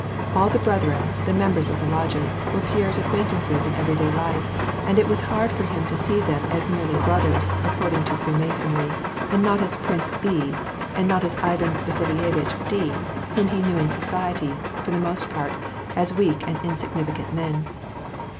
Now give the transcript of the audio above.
All the brethren, the mem bers of the Lodges, were Pierre's acquaintances in everyday life, and it was hard for him to see them as merely brothers, accord ing to Freemasonry, and not as Prince B , and not as Ivan Vasilyevitch D , whom he knew in society, for the most part, as weak and insignificant men.